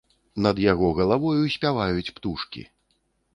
Над яго галавою спяваюць птушкі.